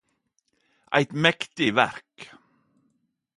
Eit mektig verk.